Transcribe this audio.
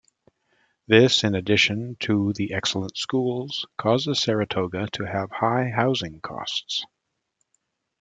This, in addition to the excellent schools, causes Saratoga to have high housing costs.